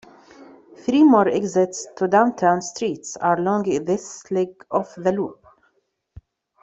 Three more exits to downtown streets are along this leg of the loop.